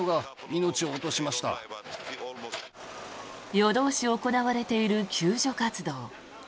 夜通し行われている救助活動。